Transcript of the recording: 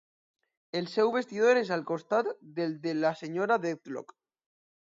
El seu vestidor és al costat del de la senyora Dedlock.